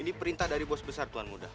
ini perintah dari bos besar tuan muda